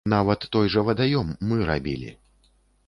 Нават той жа вадаём мы рабілі.